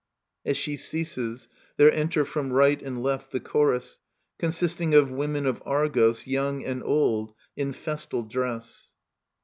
[As she ceases there enter from right and left the Chorus, consisting of women of Argos^ young and oldy in festal dress.